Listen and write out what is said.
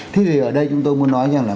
thì ở đây chúng tôi muốn nói rằng là